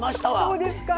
そうですか。